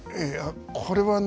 これはね